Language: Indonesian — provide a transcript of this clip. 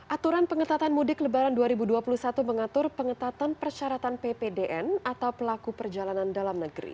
aturan pengetatan mudik lebaran dua ribu dua puluh satu mengatur pengetatan persyaratan ppdn atau pelaku perjalanan dalam negeri